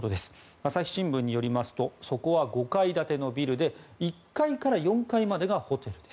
朝日新聞によりますとそこは５階建てのビルで１階から４階までがホテル。